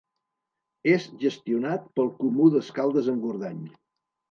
És gestionat pel Comú d’Escaldes-Engordany.